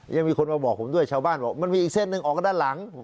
ยังมีคนมาบอกผมด้วยชาวบ้านบอกมันมีอีกเส้นหนึ่งออกด้านหลัง